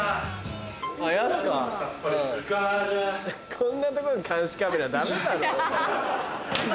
こんな所に監視カメラダメだろ。